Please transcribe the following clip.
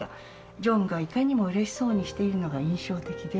「ジョンがいかにも嬉しそうにしているのが印象的です」